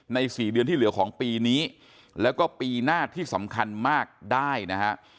๔เดือนที่เหลือของปีนี้แล้วก็ปีหน้าที่สำคัญมากได้นะฮะ